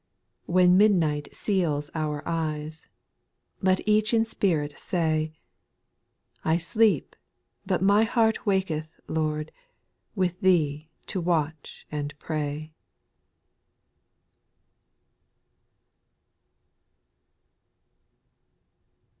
4. When midnight seals our eyes, Let each in spirit say, I sleep, but my heart waketh, Lofd, With Thee to watch and pray.